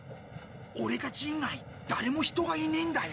オレたち以外誰も人がいねえんだよ。